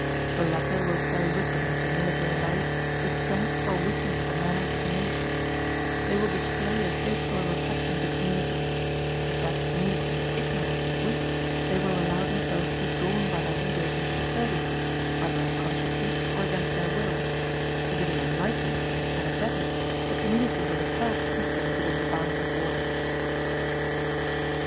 The latter will carry with them into military life the strength or weakness of the manners of the nation; they will display a faithful reflection of the community: if that community is ignorant and weak, they will allow themselves to be drawn by their leaders into disturbances, either unconsciously or against their will; if it is enlightened and energetic, the community will itself keep them within the bounds of order.